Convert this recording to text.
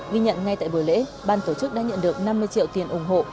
ghi nhận ngay tại buổi lễ ban tổ chức đã nhận được năm mươi triệu tiền ủng hộ